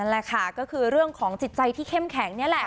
แหละค่ะก็คือเรื่องของจิตใจที่เข้มแข็งนี่แหละ